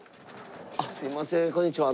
あっすいませんこんにちは。